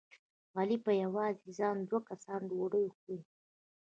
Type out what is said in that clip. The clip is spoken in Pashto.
علي په یوازې ځان د دوه کسانو ډوډۍ خوري.